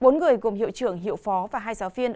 bốn người gồm hiệu trưởng hiệu phó và hai giáo viên